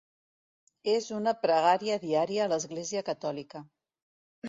És una pregària diària a l'Església Catòlica.